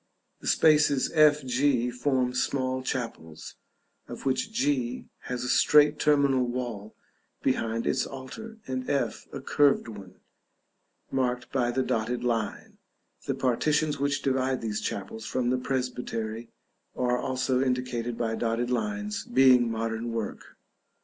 The spaces F G form small chapels, of which G has a straight terminal wall behind its altar, and F a curved one, marked by the dotted line; the partitions which divide these chapels from the presbytery are also indicated by dotted lines, being modern work.